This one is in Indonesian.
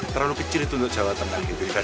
terlalu kecil itu untuk jawa tengah